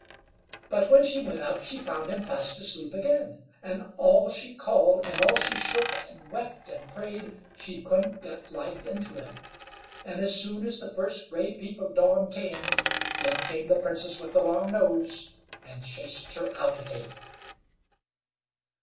But when she went up she found him fast asleep again, and all she called, and all she shook, and wept, and prayed, she couldn't get life into him; and as soon as the first gray peep of day came, then came the Princess with the long nose, and chased her out again.